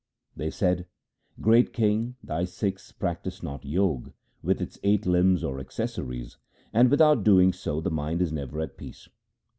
They said :' Great king, thy Sikhs practise not Jog with its eight limbs or accessories, and without doing so the mind is never at peace.